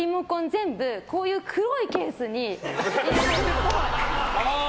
全部こういう黒いケースに入れてるっぽい。